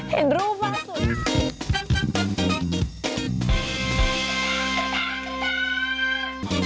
เห็นรูปมากสุด